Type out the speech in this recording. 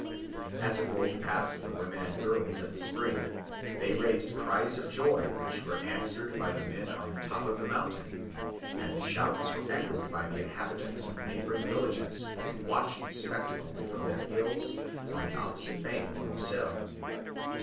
As it rolled past the women and girls at the spring, they raised cries of joy which were answered by the men on the top of the mountain; and the shouts were echoed by the inhabitants of neighbouring villages who watched the spectacle from their hills on the opposite bank of the Moselle.